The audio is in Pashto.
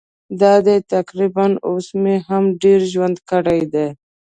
دا دی تقریباً اوس مې هم ډېر ژوند کړی دی.